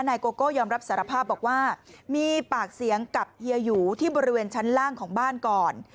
นายโกโก้ยอมรับสารภาพบอกว่ามีปากเสียงกับเฮียหยูที่บริเวณชั้นล่างของบ้านก่อน